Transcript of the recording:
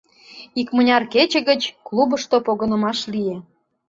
Икмыняр кече гыч клубышто погынымаш лие.